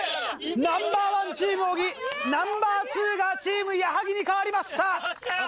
ナンバー１チーム小木ナンバー２がチーム矢作に変わりました！